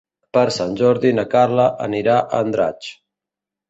Per Sant Jordi na Carla anirà a Andratx.